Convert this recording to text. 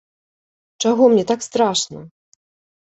Чаго мне так страшна?